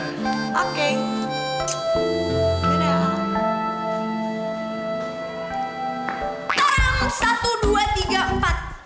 oke satu dua tiga empat